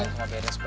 nggak beres bah